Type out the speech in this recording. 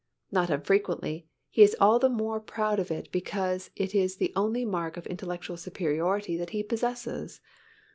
Not unfrequently, he is all the more proud of it because it is the only mark of intellectual superiority that he possesses.